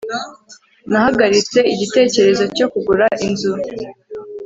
nahagaritse igitekerezo cyo kugura inzu